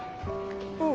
うん。